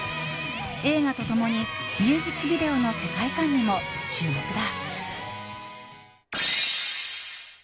映画と共にミュージックビデオの世界観にも注目だ。